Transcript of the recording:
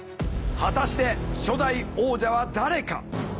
果たして初代王者は誰か？